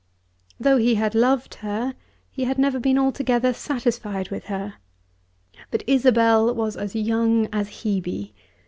Though he had loved her he had never been altogether satisfied with her. But Isabel was as young as Hebe.